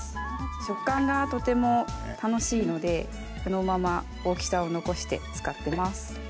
食感がとても楽しいのでこのまま大きさを残して使ってます。